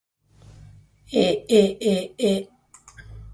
aaaa